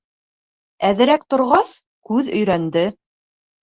Әҙерәк торғас, күҙ өйрәнде.